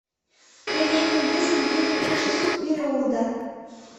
— Те еҥын вӱржым йӱын илыше сут пире улыда!